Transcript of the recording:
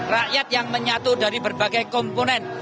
rakyat yang menyatu dari berbagai komponen